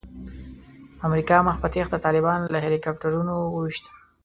امریکا مخ په تېښته طالبان له هیلي کوپټرونو وویشتل.